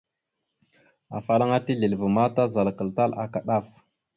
Afalaŋa tisleváma, tazalakal tal aka ɗaf.